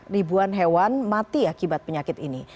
ribuan hewan mati akibat penyakit ini